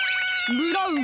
ブラウン！